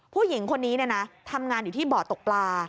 ผู้หญิงคนนี้ทำงานอยู่ที่เบาะตกปลา